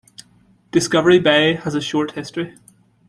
Discovery Bay has a short history.